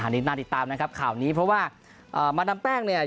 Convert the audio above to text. อันนี้น่าติดตามนะครับข่าวนี้เพราะว่ามาดามแป้งเนี่ย